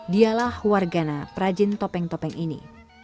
dialah war gana prajin topeng topeng ini